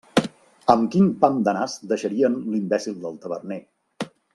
Amb quin pam de nas deixarien l'imbècil del taverner!